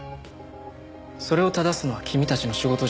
それを正すのは君たちの仕事じゃない。